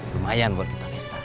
lumayan buat kita festa